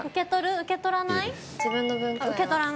受け取らない。